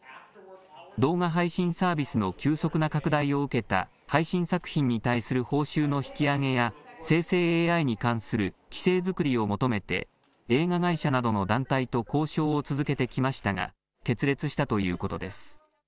動画配信サービスの急速な拡大を受けた配信作品に対する報酬の引き上げや生成ＡＩに関する規制作りを求めて映画会社などの団体と交渉を続けてきましたが決裂したということです。